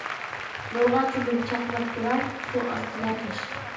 نۇرغا چۆمۈپ چاقناپ تۇرار، سۇ ئاستىدا تاش.